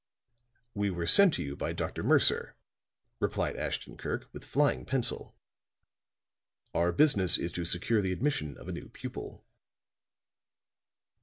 "We were sent to you by Dr. Mercer," replied Ashton Kirk with flying pencil. "Our business is to secure the admission of a new pupil."